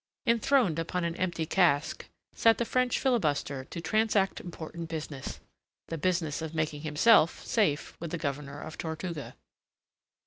Enthroned upon an empty cask sat the French filibuster to transact important business: the business of making himself safe with the Governor of Tortuga.